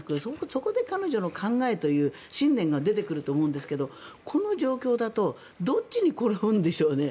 そこで彼女の考え、信念が出てくると思うんですがこの状況だとどっちに転ぶんでしょうね。